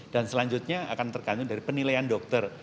dan selanjutnya akan terkandung dari penilaian dokter